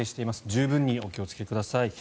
十分にお気をつけください。